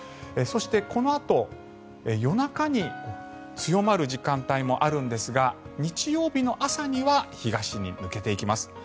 そして、このあと夜中に強まる時間帯もあるんですが日曜日の朝には東に抜けていきます。